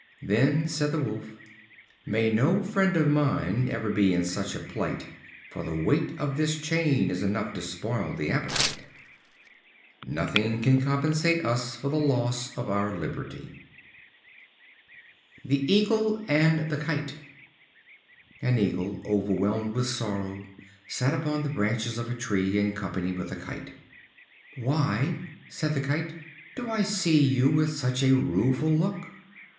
Then, said the Wolf: "May no friend of mine ever be in such a plight; for the weight of this chain is enough to spoil the appetite." Nothing can compensate us for the loss of our liberty. The Eagle and the Kite. An Eagle, overwhelmed with sorrow, sat upon the branches of a tree, in company with a Kite. "Why," said the Kite, "do I see you with such a rueful look?"